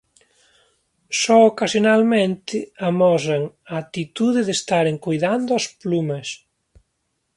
Só ocasionalmente amosan a actitude de estaren coidando as plumas.